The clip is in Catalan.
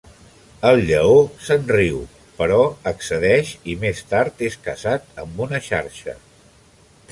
El lleó se'n riu però accedeix i més tard és caçat amb una xarxa.